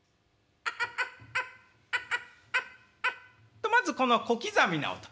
とまず小刻みな音。